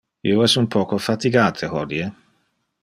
Io es un poco fatigate hodie.